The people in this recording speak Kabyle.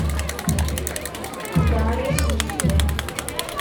Anda ay asen-teslam?